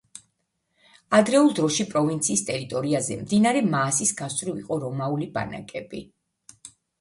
ადრეულ დროში პროვინციის ტერიტორიაზე მდინარე მაასის გასწვრივ იყო რომაული ბანაკები.